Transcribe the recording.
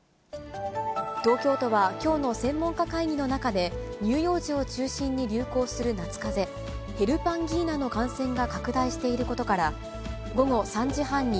東京都はきょうの専門家会議の中で、乳幼児を中心に流行する夏かぜ、ヘルパンギーナの感染が拡大していることから、午後３時半に、